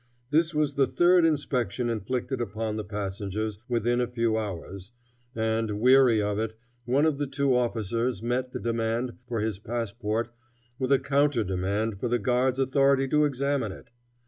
This was the third inspection inflicted upon the passengers within a few hours, and, weary of it, one of the two officers met the demand for his passport with a counter demand for the guards' authority to examine it.